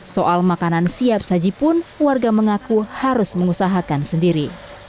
soal makanan siap sajipun warga mengaku harus mengusahakan sendiri